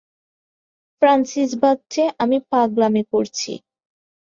Francis ভাবছে, আমি পাগলামি করছি।